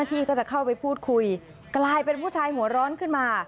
ที่ก็จะเข้าไปพูดคุยกลายเป็นผู้ชายหัวร้อนขึ้นมา